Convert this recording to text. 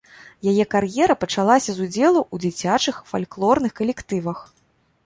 Яе кар'ера пачалася з удзелу ў дзіцячых фальклорных калектывах.